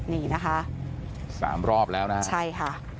นี่นะคะสามรอบแล้วนะฮะใช่ค่ะ